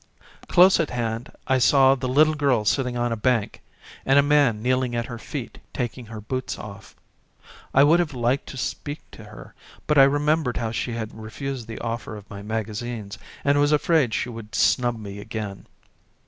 Close at hand I saw the little girl sitting on a bank, and a man kneeling at her feet taking her boots off. I would have liked to speak to her, but I remembered how she had refused the offer of my magazines, and was afraid she would A RAILWAY JOURNEY 13 snub me again.